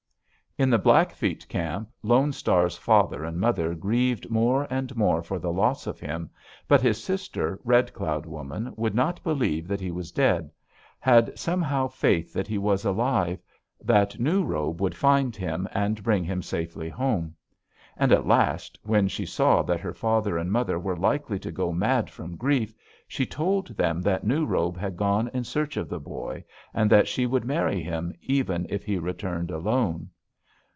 "In the Blackfeet camp Lone Star's father and mother grieved more and more for the loss of him, but his sister, Red Cloud Woman, would not believe that he was dead; had somehow faith that he was alive; that New Robe would find him, and bring him safely home. And at last, when she saw that her father and mother were likely to go mad from grief, she told them that New Robe had gone in search of the boy, and that she would marry him, even if he returned alone.